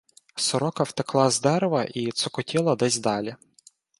Сорока втекла з дерева і цокотіла десь далі.